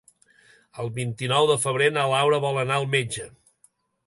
El vint-i-nou de febrer na Laura vol anar al metge.